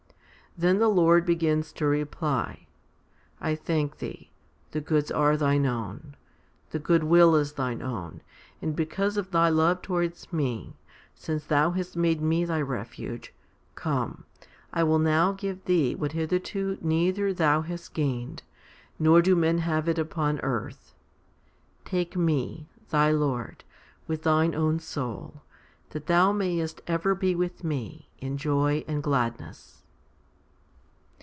Then the Lord begins to reply :" I thank thee. The goods are thine own. The good will is thine own ; and because of thy love towards Me, since thou hast made Me thy refuge, come, I will now give thee what hitherto neither thou hast gained, nor do men have it upon earth. Take Me, thy Lord, with thine own soul, that thou mayest ever be with Me in joy and gladness."